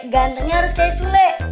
gantengnya harus kayak sule